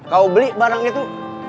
kau beli barang itu